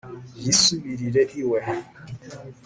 yisubirire iwe